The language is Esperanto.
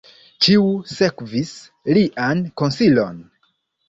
Ĉiu sekvis lian konsilon.